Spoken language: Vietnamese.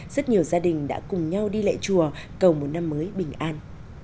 rất nhiều gia đình đã cùng nhau đi lại chùa cầu một năm mới bình an